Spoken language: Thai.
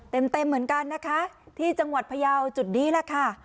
เต็มเต็มเหมือนกันนะคะที่จังหวัดพยาวจุดนี้แหละค่ะ